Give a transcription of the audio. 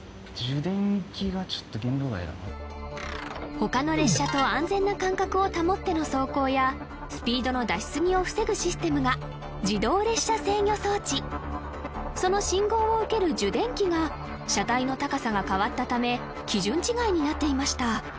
他の列車と安全な間隔を保っての走行やスピードの出し過ぎを防ぐシステムが自動列車制御装置その信号を受ける受電器が車体の高さが変わったため基準値外になっていました